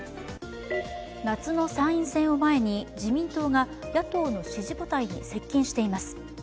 夏の参院選を前に自民党が野党の支持母体に接近しています。